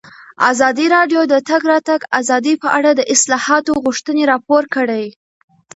ازادي راډیو د د تګ راتګ ازادي په اړه د اصلاحاتو غوښتنې راپور کړې.